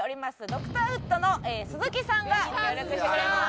ドクターフットの鈴木さんが協力してくれます。